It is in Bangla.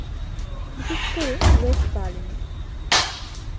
বিশেষ করে ওয়েস্ট বার্লিনে।